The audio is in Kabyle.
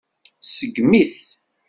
Tseggem-it.